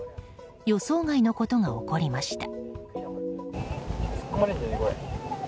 予想外のことが起こりました。